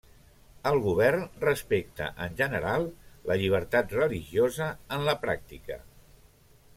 El Govern respecta en general la llibertat religiosa en la pràctica.